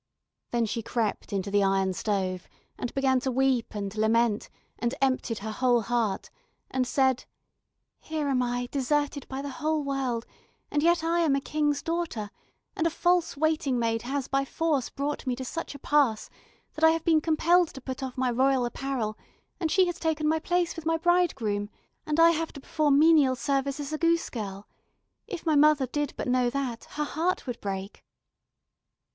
Then she crept into the iron stove, and began to weep and lament, and emptied her whole heart, and said: "Here am I deserted by the whole world, and yet I am a King's daughter, and a false waiting maid has by force brought me to such a pass that I have been compelled to put off my royal apparel, and she has taken my place with my bridegroom, and I have to perform menial service as a goose girl. If my mother did but know that, her heart would break."